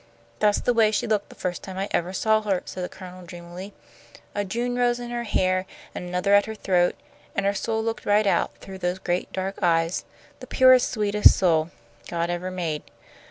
"That's the way she looked the first time I ever saw her," said the Colonel, dreamily. "A June rose in her hair, and another at her throat; and her soul looked right out through those great, dark eyes the purest, sweetest soul God ever made!